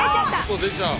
外出ちゃう。